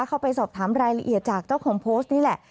เข้าไปสอบถามรายละเอียดจากเจ้าของโพสต์นี่แหละ